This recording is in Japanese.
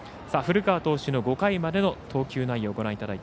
古川投手の５回までの投球内容。